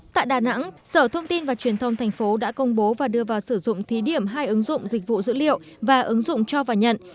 tại đà nẵng sở thông tin và truyền thông thành phố đã công bố và đưa vào sử dụng thí điểm hai ứng dụng dịch vụ dữ liệu và ứng dụng cho và nhận